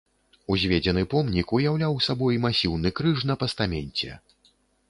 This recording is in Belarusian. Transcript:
Узведзены помнік уяўляў сабой масіўны крыж на пастаменце.